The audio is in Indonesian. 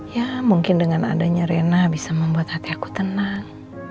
ya mungkin dengan adanya rena bisa membuat hati aku tenang